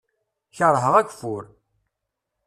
Kerheɣ ageffur.